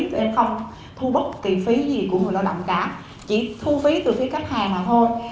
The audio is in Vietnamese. tụi em không thu bất kỳ phí gì của người lao động cả chỉ thu phí từ phía khách hàng mà thôi